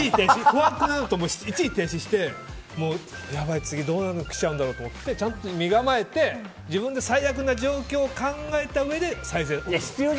怖くなると一時停止してやばい、次どんなの来ちゃうんだろうって身構えて自分で最悪な状況を考えたうえで再生する。